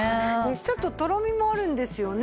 ちょっととろみもあるんですよね。